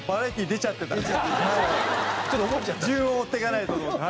順を追っていかないとと思って。